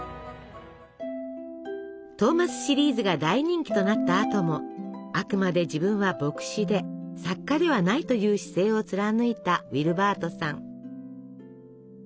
トーマスシリーズが大人気となったあともあくまで自分は牧師で作家ではないという姿勢を貫いたウィルバートさん。